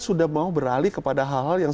sudah mau beralih kepada hal hal yang